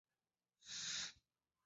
Su modelo de guitarra es Ibanez.